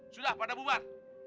sudah pada bubar